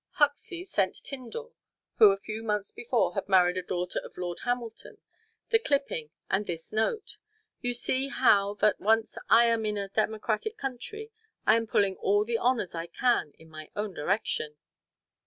Huxley sent Tyndall, who a few months before had married a daughter of Lord Hamilton, the clipping and this note: "You see how that once I am in a democratic country I am pulling all the honors I can in my own direction."